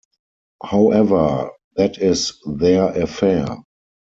However, that is their affair.